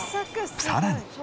さらに。